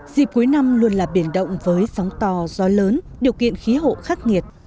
dịp cuối năm luôn là biển động với sóng to gió lớn điều kiện khí hậu khắc nghiệt